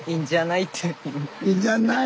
「いいんじゃない？」。